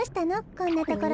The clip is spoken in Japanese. こんなところで。